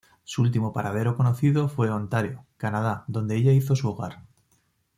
Su último paradero conocido fue Ontario, Canadá, donde ella hizo su hogar.